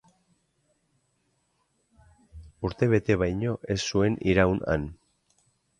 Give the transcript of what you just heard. Urtebete baino ez zuen iraun han.